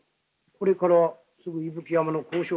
これからすぐ伊吹山の高尚館へ？